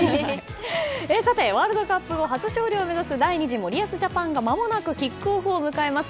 ワールドカップ後初勝利を目指す第２次森保ジャパンがまもなくキックオフを迎えます。